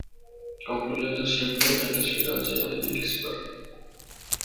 Concluyendo siempre en la ciudad de Frederiksberg.